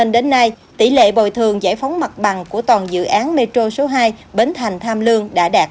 đến nay tỷ lệ bồi thường giải phóng mặt bằng của toàn dự án metro số hai bến thành tham lương đã đạt